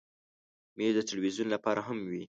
مېز د تلویزیون لپاره هم وي.